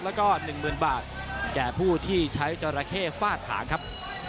แล้วก็๑๐๐๐บาทแก่ผู้ที่ใช้จราเข้ฟาดหางครับ